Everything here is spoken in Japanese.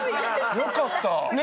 よかった。